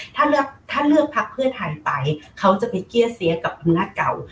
ถ้าเลือกถ้าเลือกพักเพื่อนไทยไปเขาจะไปเกี้ยเซียกับภรรณาเก่า